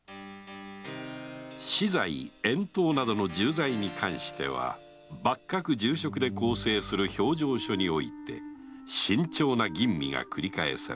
死罪遠島などの重罪に関しては幕閣重職で構成する評定所にて慎重な吟味がくり返された